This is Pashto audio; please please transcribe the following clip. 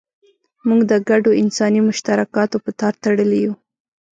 موږ د ګډو انساني مشترکاتو په تار تړلي یو.